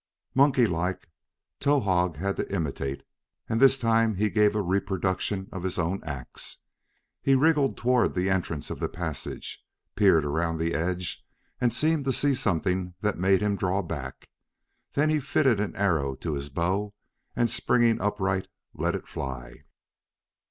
Monkey like, Towahg had to imitate, and this time he gave a reproduction of his own acts. He wriggled toward the entrance of the passage, peered around the edge, and seemed to see something that made him draw back. Then he fitted an arrow to his bow and springing upright, let it fly.